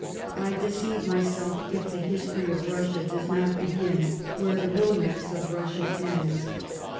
I deceive myself, if the Ilistury of Eussia does not begin where the liomance of Russia ends."